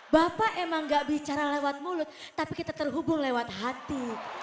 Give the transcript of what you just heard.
bapak emang gak bicara lewat mulut tapi kita terhubung lewat hati